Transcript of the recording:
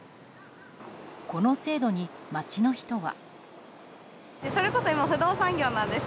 この制度に、街の人は。